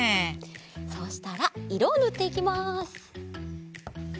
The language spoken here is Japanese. そうしたらいろをぬっていきます。